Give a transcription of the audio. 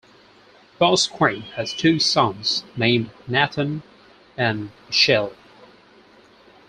Bousquet has two sons named Nathan and Michael.